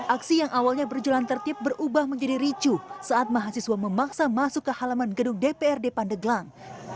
aksi yang awalnya berjalan tertib berubah menjadi ricu saat mahasiswa memaksa masuk ke halaman gedung dprd pandeglang